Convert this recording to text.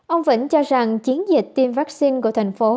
ông vĩnh cho rằng chiến dịch tiêm vaccine của thành phố